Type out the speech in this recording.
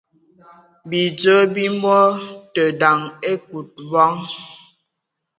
Bidzɔ bi mɔ tə daŋ ekud bɔŋ.